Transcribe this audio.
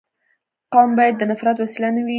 قوم باید د نفرت وسیله نه وي.